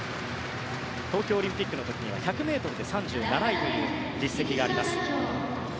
東京オリンピックは１００ｍで３７位という実績があります。